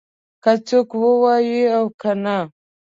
که څوک ووايي او که نه.